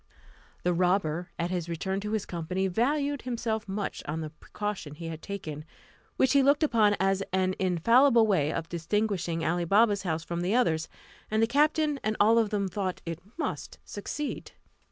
The robber, at his return to his company, valued himself much on the precaution he had taken, which he looked upon as an infallible way of distinguishing Ali Baba's house from the others; and the captain and all of them thought it must succeed.